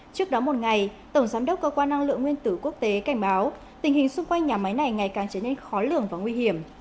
trước đó một ngày tổng giám đốc cơ quan năng lượng nguyên tử quốc tế cảnh báo tình hình xung quanh nhà máy này ngày càng trở nên khó lường và nguy hiểm